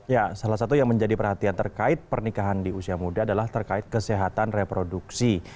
ya salah satu yang menjadi perhatian terkait pernikahan di usia muda adalah terkait kesehatan reproduksi